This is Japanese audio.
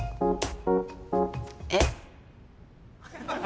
えっ？